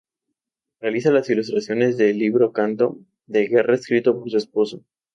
Realiza las ilustraciones del libro Canto de guerra escrito por su esposo.